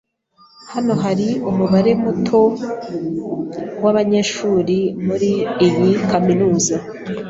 Hano hari umubare muto wabanyeshuri muri iyi kaminuza.